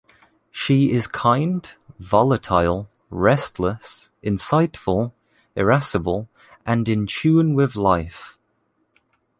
She is kind, volatile, restless, insightful, irascible and in tune with life.